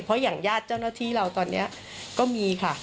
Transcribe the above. เพราะอย่างญาติเจ้าหน้าที่เราตอนนี้ก็มีค่ะ